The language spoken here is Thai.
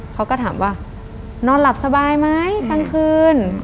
เขาก็ถามว่านอนหลับสบายไหมกลางคืน